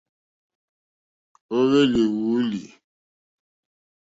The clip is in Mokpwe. Ó hwélì wòòlì.